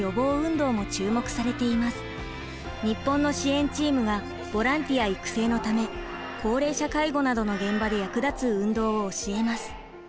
日本の支援チームがボランティア育成のため高齢者介護などの現場で役立つ運動を教えます。